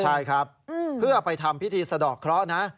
ใช่ครับเพื่อไปทำพิธีสะดอกเคราะห์นะ